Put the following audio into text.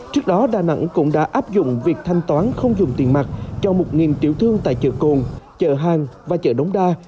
trước đó đà nẵng cũng đã áp dụng việc thanh toán không dùng tiền mặt cho một tiểu thương tại chợ cồn chợ hàng và chợ đống đa